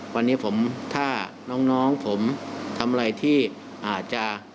วันนี้ผมถ้าน้องผมทำอะไรที่อาจจะ